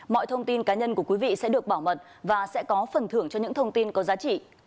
mọi thông tin cá nhân của quý vị sẽ được bảo mật và sẽ có phần thưởng cho những thông tin có giá trị